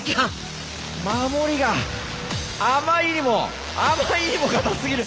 守りがあまりにもあまりにも堅すぎる！